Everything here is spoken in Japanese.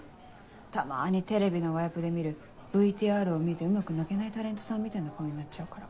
たまにテレビのワイプで見るＶＴＲを見てうまく泣けないタレントさんみたいな顔になっちゃうから。